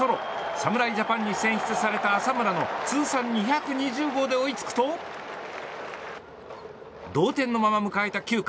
侍ジャパンに選出された浅村の通算２２０号で追いつくと同点のまま迎えた９回。